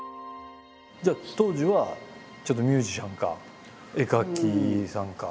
じゃあ当時はちょっとミュージシャンか絵描きさんか。